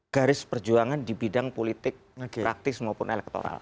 garis perjuangan di bidang politik praktis maupun elektoral